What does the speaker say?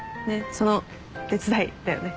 その手伝いだよね。